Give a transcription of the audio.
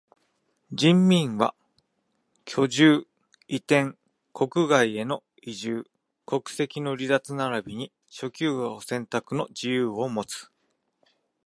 人民は居住、移転、国外への移住、国籍の離脱ならびに職業選択の自由をもつ。